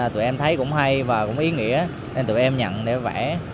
tụi em thấy cũng hay và cũng ý nghĩa em tụi em nhận để vẽ